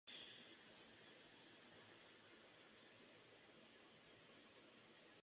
Michael Douglas ofrece la narración dispersa en todo el documental.